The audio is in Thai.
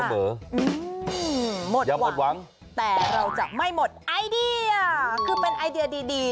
หมดอย่าหมดหวังแต่เราจะไม่หมดไอเดียคือเป็นไอเดียดี